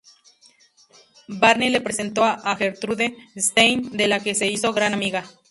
Barney le presentó a Gertrude Stein, de la que se hizo gran amiga.